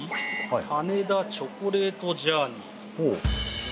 「羽田チョコレートジャーニー」。